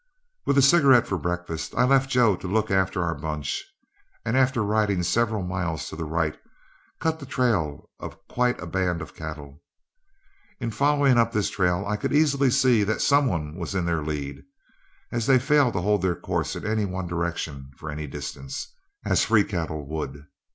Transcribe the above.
With a cigarette for breakfast, I left Joe to look after our bunch, and after riding several miles to the right, cut the trail of quite a band of cattle. In following up this trail I could easily see that some one was in their lead, as they failed to hold their course in any one direction for any distance, as free cattle would.